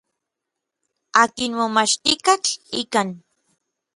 Akin momachtijkatl ikan.